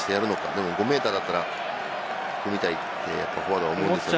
でも５ｍだったら組みたいってフォワードは思いますよね。